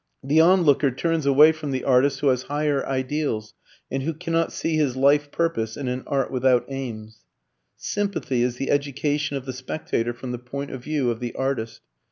] The onlooker turns away from the artist who has higher ideals and who cannot see his life purpose in an art without aims. Sympathy is the education of the spectator from the point of view of the artist.